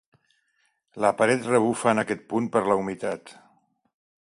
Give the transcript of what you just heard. La paret rebufa en aquest punt per la humitat.